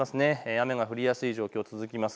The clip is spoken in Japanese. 雨が降りやすい状況、続きます。